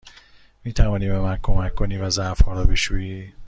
می توانی به من کمک کنی و ظرف ها را بشویی؟